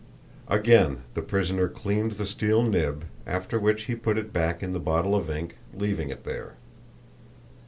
Again the prisoner cleaned the steel nib, after which he put it back in the bottle of ink, leaving it there.